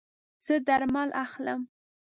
زه درمل اخلم